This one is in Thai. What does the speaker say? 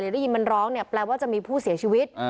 แล้วได้ยินมันร้องแปลว่าจะมีผู้เสียชีวิต